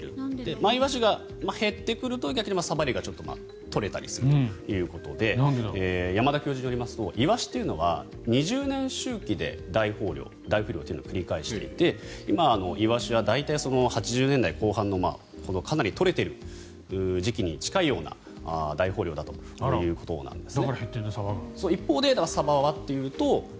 マイワシが減ってくると逆にサバ類が増えるということで山田教授によりますとイワシというのは２０年周期で大豊漁、大不漁というのを繰り返していてイワシが大体８０年代後半のかなり取れている時期に近いような大豊漁だということなんですね。